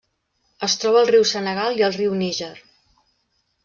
Es troba al riu Senegal i al riu Níger.